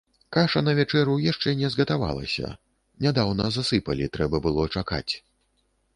Каша на вячэру яшчэ не згатавалася, нядаўна засыпалі, трэба было чакаць.